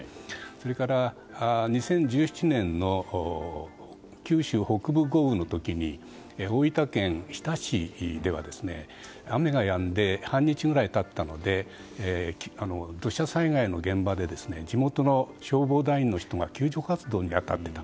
それから、２０１７年の九州北部豪雨の時に大分県日田市では雨がやんで半日ぐらい経ったので土砂災害の現場で地元の消防隊員の人が救助活動に当たっていた。